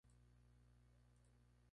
Fue hermano del Coronel Joaquín Torrico.